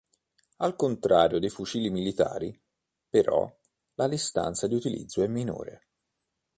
Al contrario dei fucili militari, però, la distanza di utilizzo è minore.